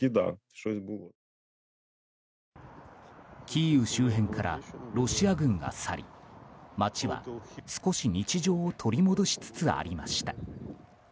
キーウ周辺からロシア軍が去り街は少し日常を取り戻しつつありました。